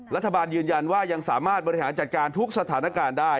รัฐบาลยืนยันว่ายังสามารถบริหารจัดการทุกสถานการณ์ได้